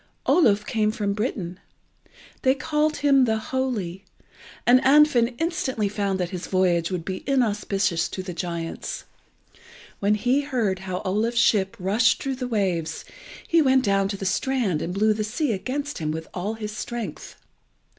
Oluf came from Britain. They called him the Holy, and Andfind instantly found that his voyage would be inauspicious to the giants. When he heard how Oluf's ship rushed through the waves, he went down to the strand and blew the sea against him with all his strength.